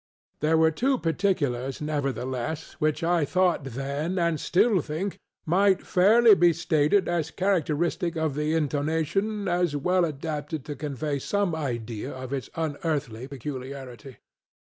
There were two particulars, nevertheless, which I thought then, and still think, might fairly be stated as characteristic of the intonationŌĆöas well adapted to convey some idea of its unearthly peculiarity.